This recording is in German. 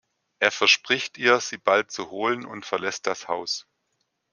Er verspricht ihr sie bald zu holen, und verlässt das Haus.